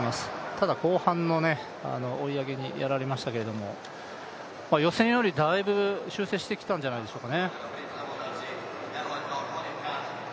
ただ後半の追い上げにやられましたけれども、予選よりだいぶ修正してきたんじゃないでしょうかね。